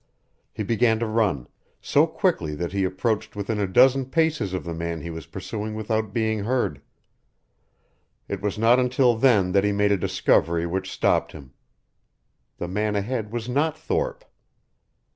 He began to run, so quickly that he approached within a dozen paces of the man he was pursuing without being heard. It was not until then that he made a discovery which stopped him. The man ahead was not Thorpe.